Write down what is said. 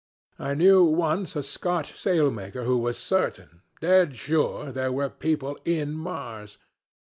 I knew once a Scotch sailmaker who was certain, dead sure, there were people in Mars.